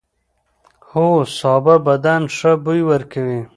هو، سابه بدن ښه بوی ورکوي.